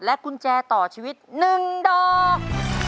กุญแจต่อชีวิต๑ดอก